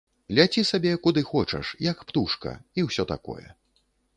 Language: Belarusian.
Ляці сабе, куды хочаш, як птушка, і ўсё такое.